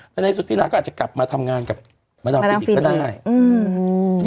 แต่ในสุดติ๊นาก็อัจจะกลับมาทำงานกับมาดามฟินอีกก็ได้